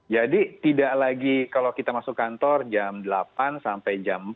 jadi tidak lagi kalau kita masuk kantor jam delapan sampai jam empat